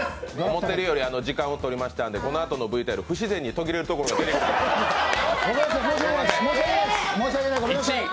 思てるより時間をとりましたので、このあとのＶＴＲ、不自然に途切れるところがあります、すみません。